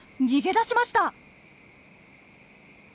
逃げ出しました！